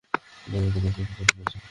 Manually কাজটা সম্পন্ন হয়েছে!